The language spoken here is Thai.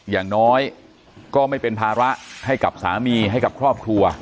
อย่างน้อยก็ไม่เป็นภาระให้กับสามีให้กับครอบครัว